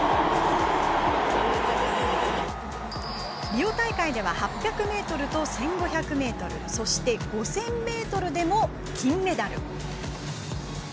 リオ大会では８００ｍと、１５００ｍそして５０００ｍでも金メダル。